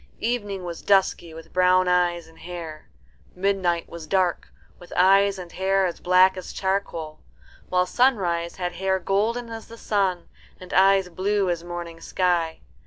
Evening was dusky, with brown eyes and hair; Midnight was dark, with eyes and hair as black as charcoal; while Sunrise had hair golden as the sun, and eyes blue as morning sky.